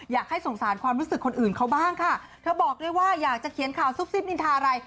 อยากให้สงสารความรู้สึกคนอื่นเขาบ้างค่ะเธอบอกด้วยว่าอยากจะเขียนข่าวซุบซิบนินทาอะไร